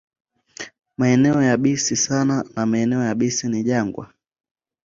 Maeneo yabisi sana na maeneo yabisi ni jangwa.